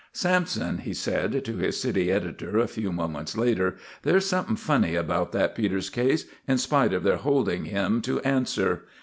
"Sampson," he said to his city editor a few moments later, "there's something funny about that Peters case, in spite of their holding him to answer.